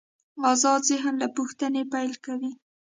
آزاد ذهن له پوښتنې پیل کوي.